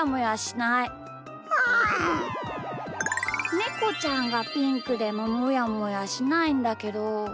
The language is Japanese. ネコちゃんがピンクでももやもやしないんだけど。